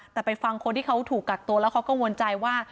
แต่ไปฟังคนที่เขาถูกกักตัวแล้วเขากังวลใจว่า